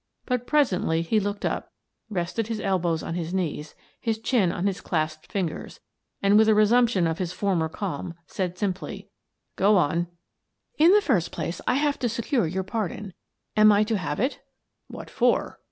But presently he looked up, rested his elbows on his knees, his chin on his clasped fingers, and, with a resumption of his former calm, said simply: " Go on." " In the first place, I have to secure your pardon. Am I to have it?" "What for?"